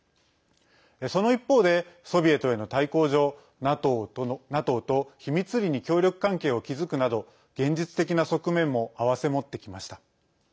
その一方で、ソビエトへの対抗上ＮＡＴＯと秘密裏に協力関係を築くなど現実的な側面も併せ持ってきました。